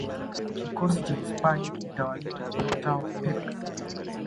kikosi cha Hispania kilitawaliwa na nyota wa Pep